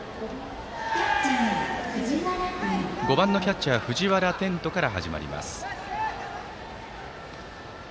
５番のキャッチャー藤原天斗から始まります。